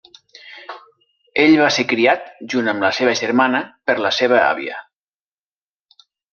Ell va ser criat junt amb la seva germana per la seva àvia.